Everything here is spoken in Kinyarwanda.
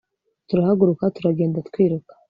turahaguruka turagenda twiruka